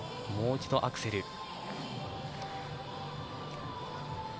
もう一度アクセル。